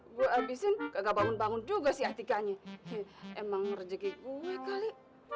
gue abisin kagak bangun bangun juga si atikanya emang rejeki gue kali